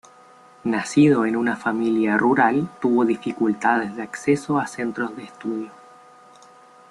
Nacido en una familia rural tuvo dificultades de acceso a centros de estudio.